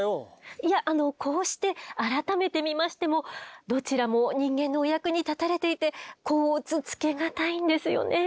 いやこうして改めてみましてもどちらも人間のお役に立たれていて甲乙つけがたいんですよねえ。